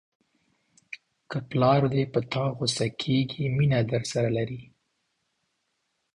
که پلار دې په تا غوسه کېږي مینه درسره لري.